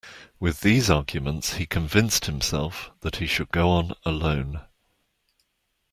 With these arguments he convinced himself that he should go on alone.